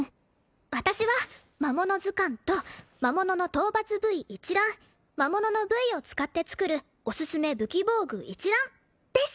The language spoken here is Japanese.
私は「魔物図鑑」と「魔物の討伐部位一覧」「魔物の部位を使って作るオススメ武器防具一覧」です